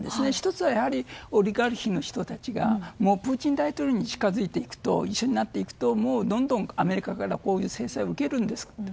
１つは、オリガルヒの人たちがプーチン大統領と一緒になっていくとどんどんアメリカからこういう制裁を受けるんですと。